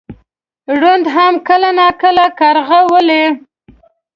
ړوند هم کله ناکله کارغه ولي .